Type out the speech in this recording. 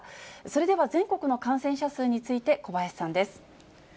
それでは全国の感染者数について、小林さんです。